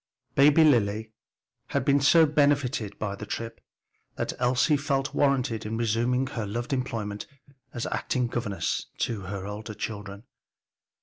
Baby Lily had been so benefited by the trip that Elsie felt warranted in resuming her loved employment as acting governess to her older children.